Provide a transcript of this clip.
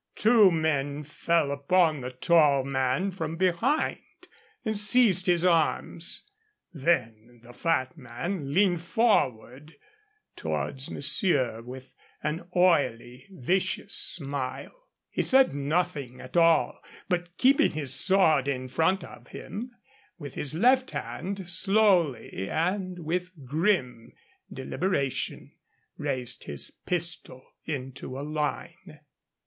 Two men fell upon the tall man from behind and seized his arms. Then the fat man leaned forward towards monsieur, with an oily, vicious smile. He said nothing at all, but, keeping his sword in front of him, with his left hand, slowly and with a grim deliberation, raised his pistol into a line.